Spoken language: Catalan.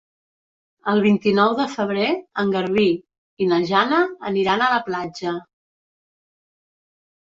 El vint-i-nou de febrer en Garbí i na Jana aniran a la platja.